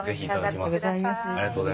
ありがとうございます。